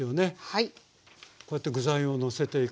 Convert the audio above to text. はい。